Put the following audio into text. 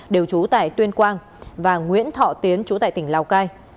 đều trú tại tuyên quang và nguyễn thọ tiến chú tại tỉnh lào cai